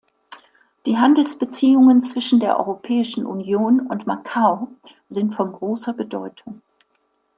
Die Handelsbeziehungen zwischen der Europäischen Union und Macau sind von großer Bedeutung.